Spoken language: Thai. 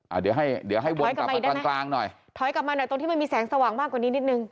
อ่ะเดี๋ยวให้เดี๋ยวให้วนกลางน่อยถอยกลับมาหน่อยตรงที่มันมีแสงสว่างมากกว่านิดนึง